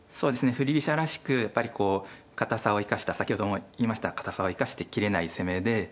振り飛車らしくやっぱりこう堅さを生かした先ほども言いました堅さを生かして切れない攻めでまあそうですね